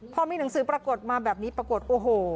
พอมีหนังสือปรากฏมาแบบนี้ปรากฏโอ้โห